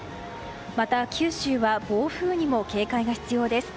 また、九州は暴風にも警戒が必要です。